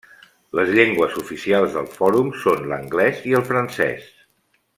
Les llengües oficials del Fòrum són l'anglès i el francès.